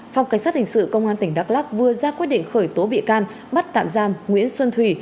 phòng cảnh sát hình sự công an tỉnh đắk lắc vừa ra quyết định khởi tố bị can bắt tạm giam nguyễn xuân thủy